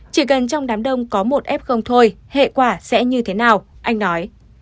chỉ cần trong đám đông có một f thôi hệ quả sẽ như thế nào anh nói